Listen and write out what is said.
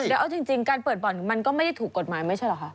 เดี๋ยวเอาจริงการเปิดบ่อนมันก็ไม่ได้ถูกกฎหมายไม่ใช่เหรอคะ